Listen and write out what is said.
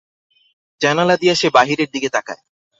জানালা দিয়া সে বাহিরের দিকে তাকায়।